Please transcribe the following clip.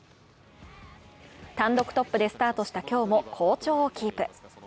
単独トップでスタートした今日も好調をキープ。